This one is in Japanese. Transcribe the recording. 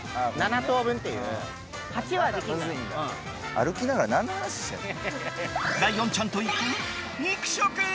歩きながら何の話してるんだよ。